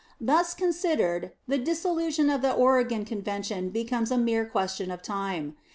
Thus considered, the dissolution of the Oregon convention becomes a mere question of time.